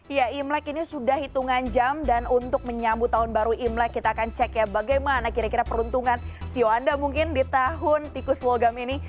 iya imlek ini sudah hitungan jam dan untuk menyambut tahun baru imlek kita akan cek ya bagaimana kira kira peruntungan sio anda mungkin di tahun tikus logam ini